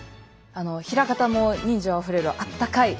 枚方も人情あふれるあったかい